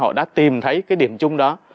họ đã tìm thấy cái điểm chung đó